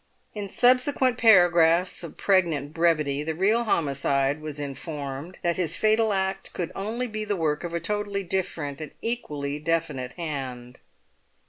In subsequent paragraphs of pregnant brevity the real homicide was informed that his fatal act could only be the work of a totally different and equally definite hand.